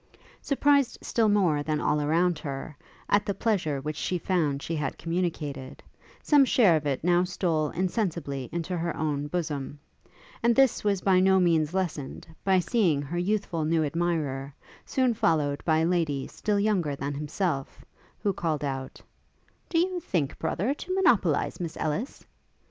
Surprised still more than all around her, at the pleasure which she found she had communicated, some share of it now stole insensibly into her own bosom; and this was by no means lessened, by seeing her youthful new admirer soon followed by a lady still younger than himself, who called out, 'Do you think, brother, to monopolize Miss Ellis?'